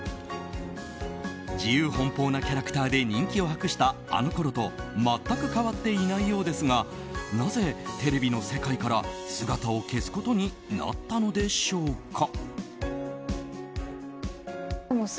自由奔放なキャラクターで人気を博したあのころと全く変わっていないようですがなぜテレビの世界から、姿を消すことになったのでしょうか。